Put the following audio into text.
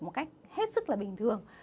một cách hết sức là bình thường